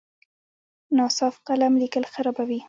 ناصاف قلم لیکل خرابوي.